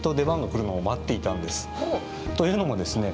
というのもですね